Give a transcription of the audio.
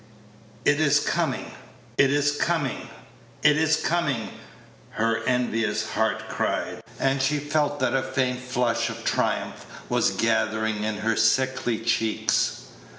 "It is coming it is coming it is coming!" her envious heart cried, and she felt that a faint flush of triumph was gathering in her sickly cheeks.